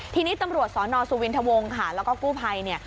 ทีนี้ตำรวจสนสุวินทวงค่ะแล้วก็กู้ภัยเนี่ย